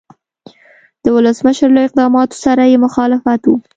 د ولسمشر له اقداماتو سره یې مخالفت و.